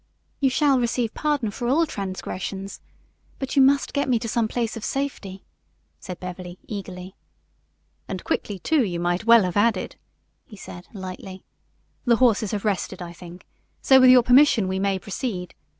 "You shall receive pardon for all transgressions. But you must get me to some place of safety," said Beverly, eagerly. "And quickly, too, you might well have added," he said, lightly. "The horses have rested, I think, so with your permission we may proceed.